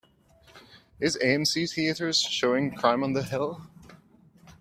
Is AMC Theaters showing Crime on the Hill?